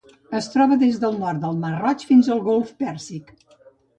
Es troba des del nord del Mar Roig fins al Golf Pèrsic.